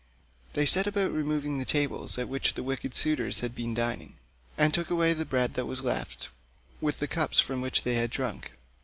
They set about removing the tables at which the wicked suitors had been dining, and took away the bread that was left, with the cups from which they had drunk.